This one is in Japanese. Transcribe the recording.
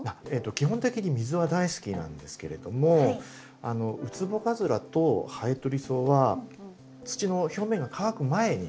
基本的に水は大好きなんですけれどもウツボカズラとハエトリソウは土の表面が乾く前に。